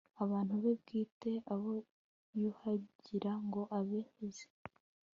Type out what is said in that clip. abantu be bwite, abo yuhagira ngo abeze